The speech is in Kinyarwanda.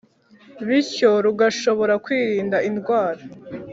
, bityo rugashobora kwirinda indwara